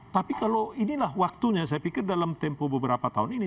tapi kalau inilah waktunya saya pikir dalam tempo beberapa tahun ini